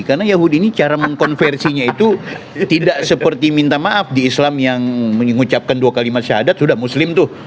karena yahudi ini cara mengkonversinya itu tidak seperti minta maaf di islam yang mengucapkan dua kalimat syahadat sudah muslim tuh